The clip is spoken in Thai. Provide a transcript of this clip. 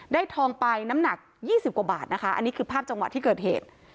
ทองไปน้ำหนักยี่สิบกว่าบาทนะคะอันนี้คือภาพจังหวะที่เกิดเหตุ